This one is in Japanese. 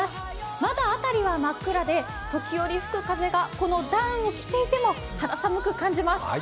まだ辺りは真っ暗で、時折吹く風がこのダウンを着ていても肌寒く感じます。